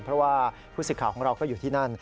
เพราะว่าผู้สิทธิ์ข่าวของเราก็อยู่ที่นั่น